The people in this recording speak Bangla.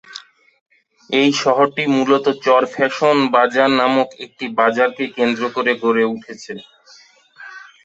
এ শহরটি মূলত চরফ্যাশন বাজার নামক একটি বাজারকে কেন্দ্র করে গড়ে উঠেছে।